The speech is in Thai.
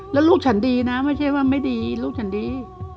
แล้วลูกฉันดีนะไม่ใช่ว่าไม่ดีลูกฉันดี